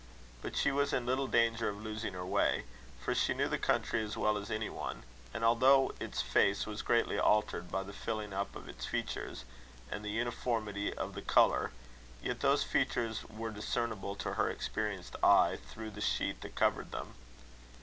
But she was in little danger of losing her way, for she knew the country as well as any one; and although its face was greatly altered by the filling up of its features, and the uniformity of the colour, yet those features were discernible to her experienced eye through the sheet that covered them.